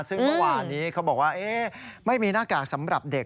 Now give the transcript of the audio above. ซึ่งเมื่อวานนี้เขาบอกว่าไม่มีหน้ากากสำหรับเด็ก